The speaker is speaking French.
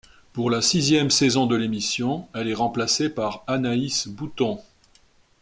Pour la sixième saison de l'émission, elle est remplacée par Anaïs Bouton.